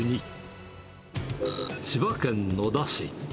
千葉県野田市。